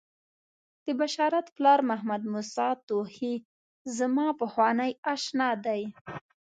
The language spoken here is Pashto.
د بشارت پلار محمدموسی توخی زما پخوانی آشنا دی.